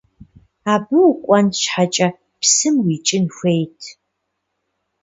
Абы укӏуэн щхьэкӏэ псым уикӏын хуейт.